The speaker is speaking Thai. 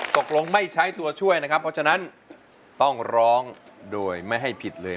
ตกลงไม่ใช้ตัวช่วยนะครับเพราะฉะนั้นต้องร้องโดยไม่ให้ผิดเลย